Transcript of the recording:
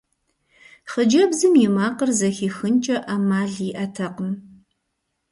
Хъыджэбзым и макъыр зэхихынкӀэ Ӏэмал иӀэтэкъым.